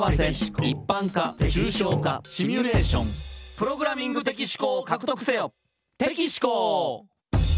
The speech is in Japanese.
「プログラミング的思考を獲得せよ」